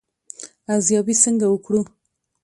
ارزیابي څنګه وکړو؟